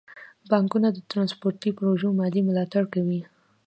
بانکونه د ترانسپورتي پروژو مالي ملاتړ کوي.